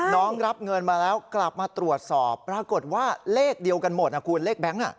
รับเงินมาแล้วกลับมาตรวจสอบปรากฏว่าเลขเดียวกันหมดนะคุณเลขแบงค์